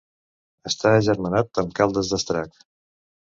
Està agermanat amb Caldes d'Estrac.